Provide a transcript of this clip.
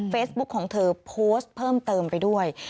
เฟซบุ๊คของเธอโพสต์เพิ่มเติมไปด้วย